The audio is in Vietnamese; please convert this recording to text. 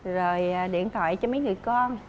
rồi điện thoại cho mấy người con